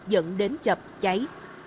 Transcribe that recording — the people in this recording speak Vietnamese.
dẫn đến chập cháy